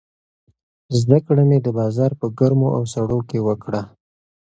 زده کړه مې د بازار په ګرمو او سړو کې وکړه.